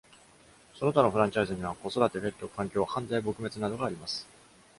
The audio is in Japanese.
その他のフランチャイズには、子育て、ペット、環境、犯罪撲滅などがあります。